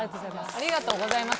ありがとうございます。